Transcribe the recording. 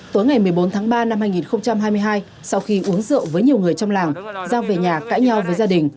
tối ngày một mươi bốn tháng ba năm hai nghìn hai mươi hai sau khi uống rượu với nhiều người trong làng giao về nhà cãi nhau với gia đình